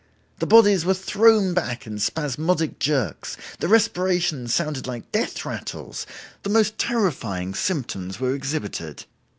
The bodies were thrown back in spasmodic jerks, the respirations sounded like death rattles, the most terrifying symptoms were exhibited.